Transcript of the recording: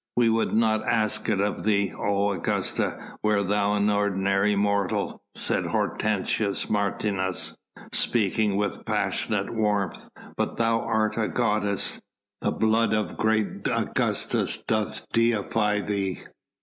"We would not ask it of thee, O Augusta! were thou an ordinary mortal," said Hortensius Martius, speaking with passionate warmth, "but thou art a goddess; the blood of great Augustus doth deify thee."